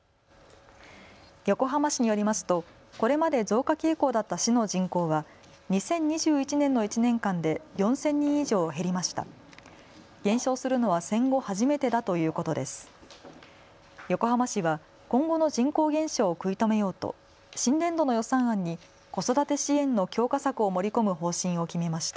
横浜市によりますとこれまで増加傾向だった市の人口は２０２１年の１年間で４０００人以上、減りました。